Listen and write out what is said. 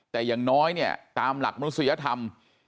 แต่อย่างน้อยเนี่ยตามหลักมนุษยธรรม